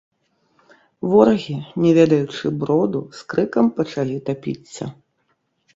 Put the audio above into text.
Ворагі, не ведаючы броду, з крыкам пачалі тапіцца.